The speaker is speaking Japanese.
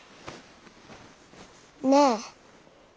ねえ。